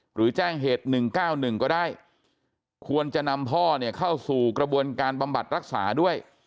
หรือแจ้งเหตุ๑๙๑ก็ได้ควรจะนำพ่อเนี่ยเข้าสู่กระบวนการบำบัดรักษาด้วย